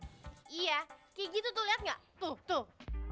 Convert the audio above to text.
iya kayak gitu tuh lihat gak tuh tuh